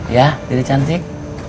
ya jadi cantik